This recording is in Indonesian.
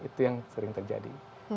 itu yang sering terjadi